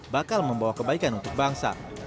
bakal membawa kebaikan untuk bangsa